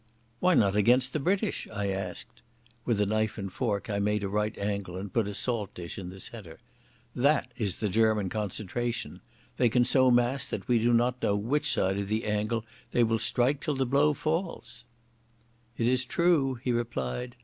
"Why not against the British?" I asked. With a knife and fork I made a right angle and put a salt dish in the centre. "That is the German concentration. They can so mass that we do not know which side of the angle they will strike till the blow falls." "It is true," he replied.